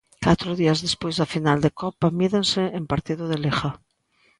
Catro días despois da final de Copa mídense en partido de Liga.